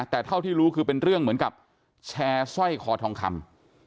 แต่เท่าที่รู้คือเป็นเรื่องเหมือนกับแชร์สร้อยคอทองคำ